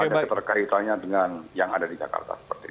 ada keterkaitannya dengan yang ada di jakarta